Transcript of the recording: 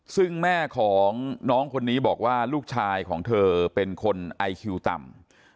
ซึ่งแม่ของน้องคนนี้บอกว่าลูกชายของเธอเป็นคนไอคิวต่ำ